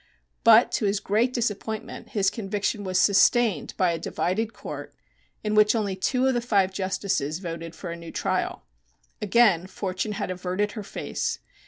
But to his great disappointment his conviction was sustained by a divided court, in which only two of the five justices voted for a new trial. Again Fortune had averted her face.